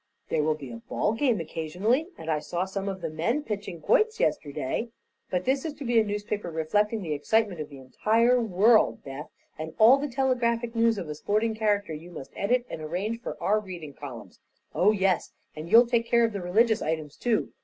"There will be a ball game occasionally, and I saw some of the men pitching quoits yesterday. But this is to be a newspaper reflecting the excitement of the entire world, Beth, and all the telegraphic news of a sporting character you must edit and arrange for our reading columns. Oh, yes; and you'll take care of the religious items too.